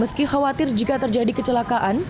meski khawatir jika terjadi kecelakaan